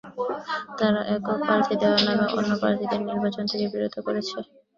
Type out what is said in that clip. তারা একক প্রার্থী দেওয়ার নামে অন্য প্রার্থীদের নির্বাচন থেকে বিরত করছে।